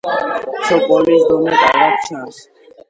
ცოკოლის დონე კარგად ჩანს.